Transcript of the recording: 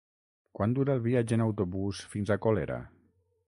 Quant dura el viatge en autobús fins a Colera?